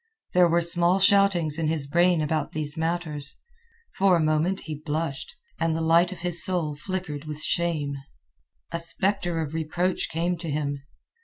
There were small shoutings in his brain about these matters. For a moment he blushed, and the light of his soul flickered with shame. A specter of reproach came to him.